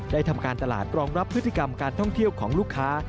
ทำการตลาดรองรับพฤติกรรมการท่องเที่ยวของลูกค้า